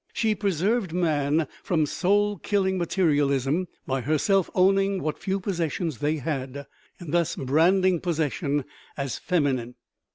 She preserved man from soul killing materialism by herself owning what few possessions they had, and thus branding possession as feminine.